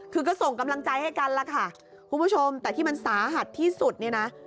คือก็ส่งกำลังใจให้กันล่ะค่ะคุณผู้ชมแต่ที่มันสาหัสที่สุดเนี่ยนะ